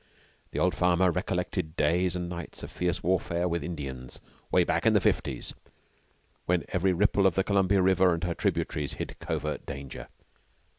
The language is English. The old farmer recollected days and nights of fierce warfare with the Indians "way back in the fifties," when every ripple of the Columbia River and her tributaries hid covert danger.